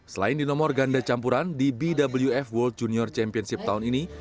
selain di nomor ganda campuran di bwf world junior championship tahun ini